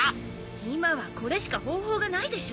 今はこれしか方法がないでしょ。